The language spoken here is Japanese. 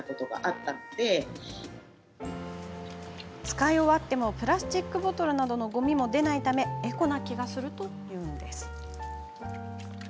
使い終わってもプラスチックボトルなどのごみも出ないためエコな気がするというんです。